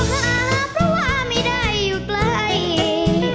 ชอบทำให้คนคิดถึง